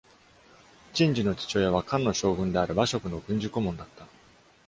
陳寿の父親は、漢の将軍である馬謖の軍事顧問だった。